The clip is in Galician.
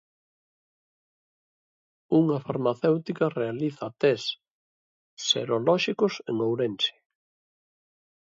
Unha farmacéutica realiza test serolóxicos en Ourense.